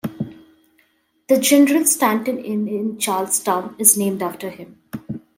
The General Stanton Inn in Charlestown is named after him.